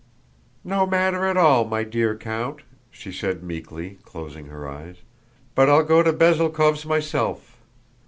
"No matter at all, my dear count," she said, meekly closing her eyes. "But I'll go to Bezúkhov's myself.